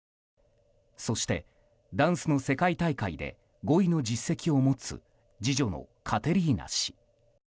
そして、ダンスの世界大会で５位の実績を持つ次女のカテリーナ氏。